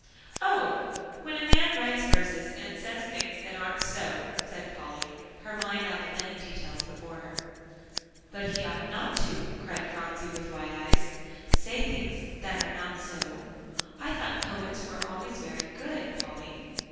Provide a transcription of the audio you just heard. "Oh! when a man writes verses and says things that aren't so," said Polly, her mind on the many details before her. "But he ought not to," cried Phronsie, with wide eyes, "say things that are not so. I thought poets were always very good, Polly."